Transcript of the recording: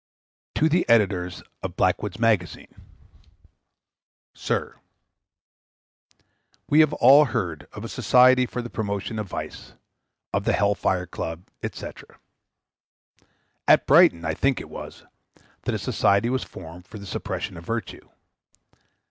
TO THE EDITOR OF BLACKWOOD'S MAGAZINE. SIR, We have all heard of a Society for the Promotion of Vice, of the Hell Fire Club, &c. At Brighton, I think it was, that a Society was formed for the Suppression of Virtue.